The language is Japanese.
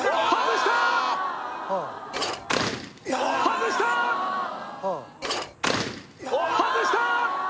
外したっ！